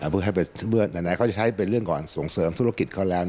เพื่อไหนเขาจะใช้เป็นเรื่องก่อนส่งเสริมธุรกิจเขาแล้ว